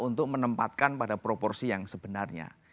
untuk menempatkan pada proporsi yang sebenarnya